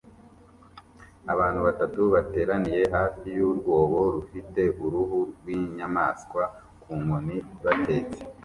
Abantu batatu bateraniye hafi yurwobo rufite uruhu rwinyamanswa ku nkoni batetse